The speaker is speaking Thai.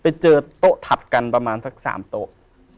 ไปเจอโต๊ะถัดกันประมาณสัก๓โต๊ะ